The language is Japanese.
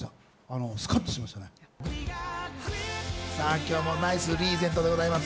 今日もナイスリーゼントでございます。